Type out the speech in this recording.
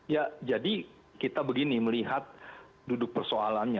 ya jadi kita begini melihat duduk persoalannya